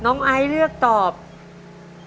คุณยายแจ้วเลือกตอบจังหวัดนครราชสีมานะครับ